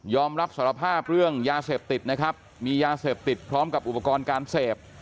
รับสารภาพเรื่องยาเสพติดนะครับมียาเสพติดพร้อมกับอุปกรณ์การเสพ